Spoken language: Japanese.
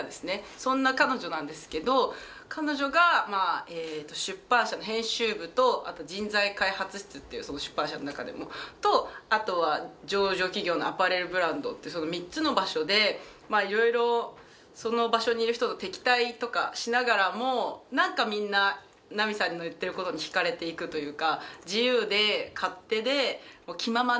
そんな彼女なんですけど彼女が出版社の編集部とあと人材開発室っていうその出版社の中でのとあとは上場企業のアパレルブランドってその３つの場所でいろいろその場所にいる人と敵対とかしながらも何かみんな奈美さんの言っていることに惹かれていくというか。